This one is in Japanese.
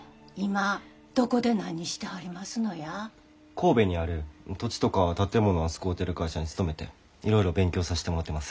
神戸にある土地とか建物扱うてる会社に勤めていろいろ勉強さしてもろてます。